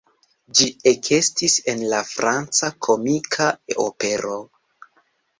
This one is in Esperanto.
Ĝi ekestis el la franca komika opero.